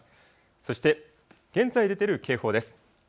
そして現在出ている警報です。